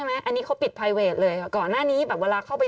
ไม่ดีเลยแบบง่าย